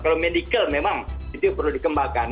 kalau medical memang itu perlu dikembangkan